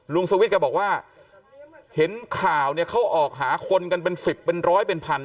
สวิทย์ก็บอกว่าเห็นข่าวเนี่ยเขาออกหาคนกันเป็นสิบเป็นร้อยเป็นพัน